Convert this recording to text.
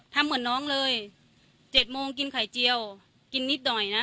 ทำเหมือนน้องเลย๗โมงกินไข่เจียวกินนิดหน่อยนะ